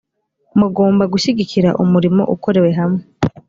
mugomba gushyigikira umurimo ukorewe hamwe